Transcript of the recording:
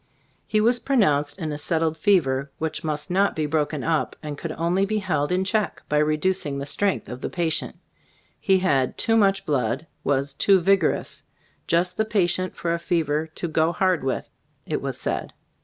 He was pronounced in a "settled fever," which must not be "broken up," and could only be held in check by reducing the strength of the pa tient. He had "too much blood," was "too vigorous," "just the patient for a fever to 'go hard with/ " it was said.